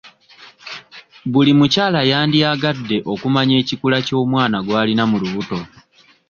Buli mukyala yandiyagadde okumanya ekikula ky'omwana gw'alina mu lubuto.